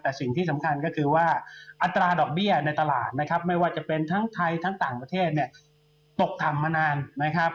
แต่สิ่งที่สำคัญก็คือว่าอัตราดอกเบี้ยในตลาดนะครับไม่ว่าจะเป็นทั้งไทยทั้งต่างประเทศเนี่ยตกต่ำมานานนะครับ